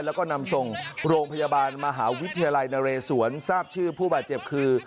แล้วก็นำส่งโรงพยาบาลมหาวิทยาลัยนเรศวรทราบชื่อผู้บาดเจ็บคือ